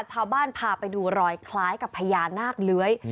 ชาวบ้านพาไปดูลอยคล้ายกับพญานาคเล้ย